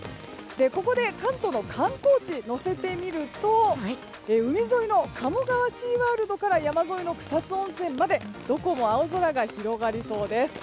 ここで、関東の観光地を載せてみると海沿いの鴨川シーワールドから山沿いの草津温泉までどこも青空が広がりそうです。